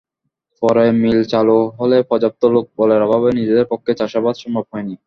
পরে মিল চালু হলে পর্যাপ্ত লোকবলের অভাবে নিজেদের পক্ষে চাষাবাদ সম্ভব হয়নি।